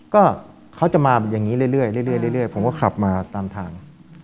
ก็เขาจะมาอย่างนี้เรื่อยผมก็ขับมาตามทาง